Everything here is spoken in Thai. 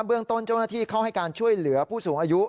เรื่องต้นเจ้าหน้าที่เข้าให้การช่วยเหลือผู้สูงอายุ